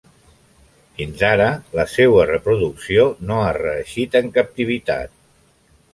Fins ara, la seua reproducció no ha reeixit en captivitat.